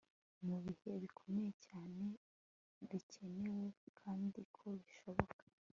mu bihe bikomeye cyane bikenewe kandi ko bishoboka